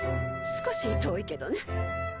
少し遠いけどね